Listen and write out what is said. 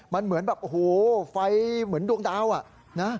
มันเหมือนแบบโอ้โหไฟเหมือนดวงดาวนะ